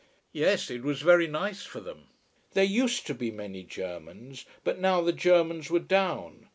Yes, it was very nice for them. There used to be many Germans, but now the Germans were down.